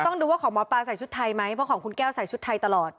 ต้องดูว่าของหมอปลาใส่ชุดไทยไหมเพราะของคุณแก้วใส่ชุดไทยตลอด